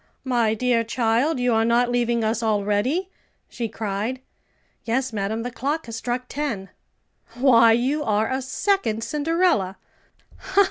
"My dear child, you are not leaving us already?" she cried. "Yes, madam; the clock has struck ten." "Why, you are a second Cinderella."